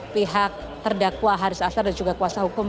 pihak terdakwa haris azhar dan juga kuasa hukum